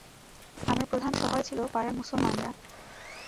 আমার প্রধান সহায় ছিল পাড়ার মুসলমানরা।